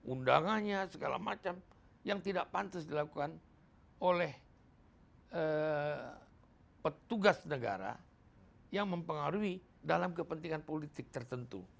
undangannya segala macam yang tidak pantas dilakukan oleh petugas negara yang mempengaruhi dalam kepentingan politik tertentu